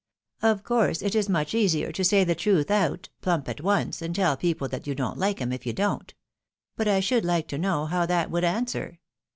Of course it is much easier to say the truth out, plump at once, and tell people that' you don't like 'em, if you don't. But I should hke to know how that would answer